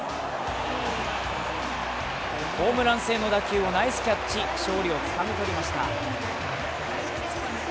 ホームラン性の打球をナイスキャッチ、勝利をつかみ取りました。